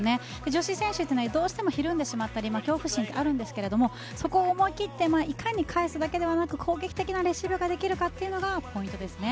女子選手というのはどうしても、ひるんでしまったり恐怖心がありますがそこを思い切っていかに返すだけじゃなく攻撃的なレシーブができるかがポイントですよね。